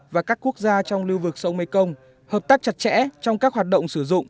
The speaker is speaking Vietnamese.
và các quốc gia trong lưu vực sông mekong hợp tác chặt chẽ trong các hoạt động sử dụng